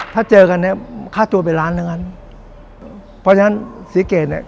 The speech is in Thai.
ถ้าเจอกันเนี้ยค่าตัวเป็นล้านทั้งนั้นเพราะฉะนั้นศรีเกตเนี่ย